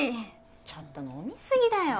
ちょっと飲み過ぎだよ。